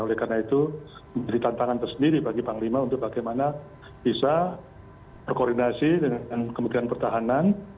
oleh karena itu menjadi tantangan tersendiri bagi panglima untuk bagaimana bisa berkoordinasi dengan kementerian pertahanan